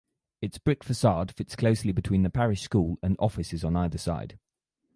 Its brick facade fits closely between the parish school and offices on either side.